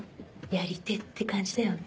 やり手って感じだよね。